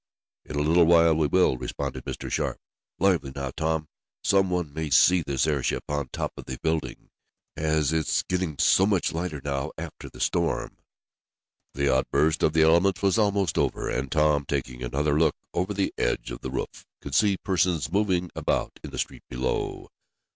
"In a little while we will," responded Mr. Sharp. "Lively now, Tom. Some one may see this airship on top of the building, as it's getting so much lighter now, after the storm." The outburst of the elements was almost over and Tom taking another look over the edge of the roof, could see persons moving about in the street below.